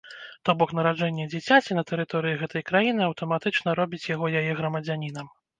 То бок нараджэнне дзіцяці на тэрыторыі гэтай краіны аўтаматычна робіць яго яе грамадзянінам.